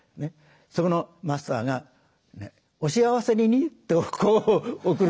そこのマスターが「お幸せにね」とこう送るわけですね。